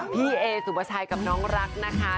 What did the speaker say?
พี่เอสุปชัยกับน้องรักนะคะ